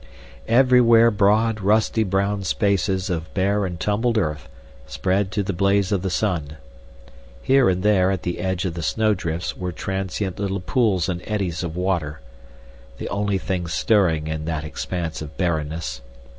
Everywhere broad rusty brown spaces of bare and tumbled earth spread to the blaze of the sun. Here and there at the edge of the snowdrifts were transient little pools and eddies of water, the only things stirring in that expanse of barrenness.